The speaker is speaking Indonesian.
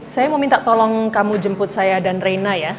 saya mau minta tolong kamu jemput saya dan reina ya